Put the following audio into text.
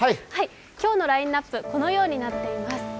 今日のラインナップ、このようになっています。